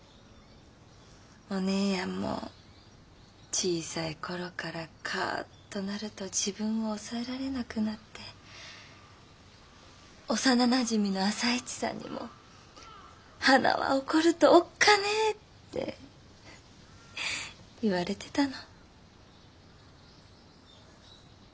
お姉やんも小さい頃からカッとなると自分を抑えられなくなって幼なじみの朝市さんにも「はなは怒るとおっかねえ」って言われてたの。